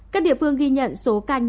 các địa phương ghi nhận số ca nhiễm